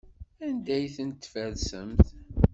Anda ay ten-tfersemt?